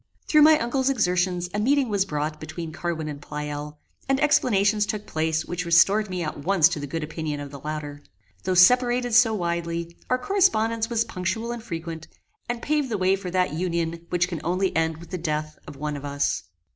Through my uncle's exertions a meeting was brought about between Carwin and Pleyel, and explanations took place which restored me at once to the good opinion of the latter. Though separated so widely our correspondence was punctual and frequent, and paved the way for that union which can only end with the death of one of us.